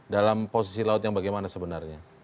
dalam posisi laut yang bagaimana sebenarnya